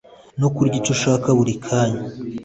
nukurya icyo ushaka buri kanya